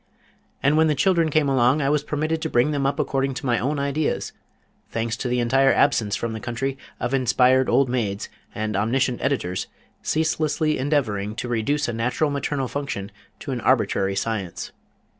And when the children came along I was permitted to bring them up according to my own ideas, thanks to the entire absence from the country of inspired old maids, and omniscient editors, ceaselessly endeavoring to reduce a natural maternal function to an arbitrary science.